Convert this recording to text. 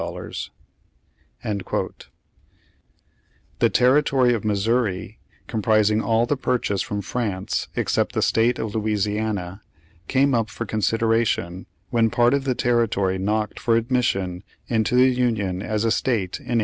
i The territory of Missouri, comprising all the purchase from France, except the state of Louisi ana, came up for consideration when part of the territory knocked for admiission into the Union as a state in 1818.